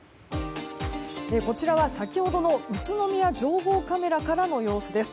こちらは先ほどの宇都宮情報カメラからの様子です。